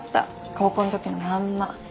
高校の時のまんま。